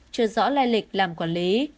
chưa rõ lai lịch làm quản lý